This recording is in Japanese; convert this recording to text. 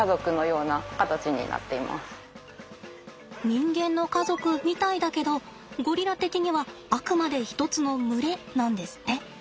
人間の家族みたいだけどゴリラ的にはあくまで一つの群れなんですって。